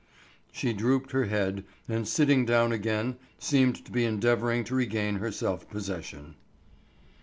She drooped her head and sitting down again seemed to be endeavoring to regain her self possession.